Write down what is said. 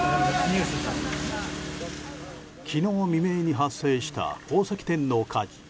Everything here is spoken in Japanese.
昨日未明に発生した宝石店の火事。